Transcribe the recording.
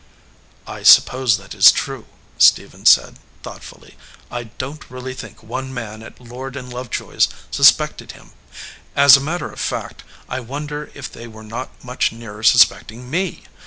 "I suppose that is true," Stephen said, thought fully. "I don t really think one man at Lord & Love joy s suspected him. As a matter of fact, I wonder if they were not much nearer suspecting me.